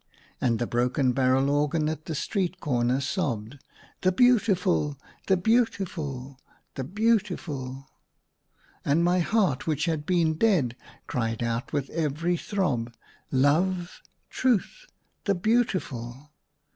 and the broken barrel organ at the street corner sobbed, " The Beautiful !— the Beautiful !— the Beautiful!" And my heart, which had been dead, cried out with every throb, " Love !— Truth !— the Beautiful